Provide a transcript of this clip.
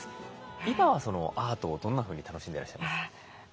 今はアートをどんなふうに楽しんでらっしゃいますか？